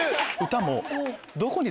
歌も。